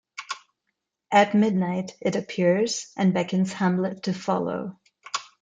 At midnight, it appears, and beckons Hamlet to follow.